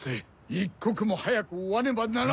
一刻も早く追わねばならんのに。